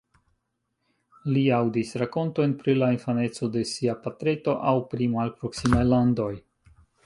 Li aŭdis rakontojn pri la infaneco de sia patreto aŭ pri malproksimaj landoj.